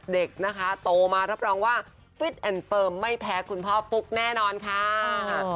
เด็กนะคะโตมารับรองว่าไม่แพ้คุณพ่อปุ๊กแน่นอนค่ะเออ